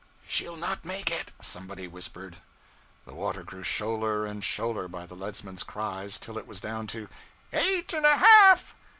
'She'll not make it!' somebody whispered. The water grew shoaler and shoaler, by the leadsman's cries, till it was down to 'Eight and a half!....